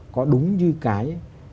có đúng như cái